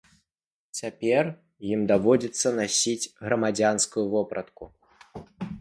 Цяпер ім даводзіцца насіць грамадзянскую вопратку.